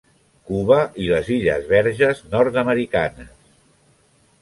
Cuba i les illes Verges Nord-americanes.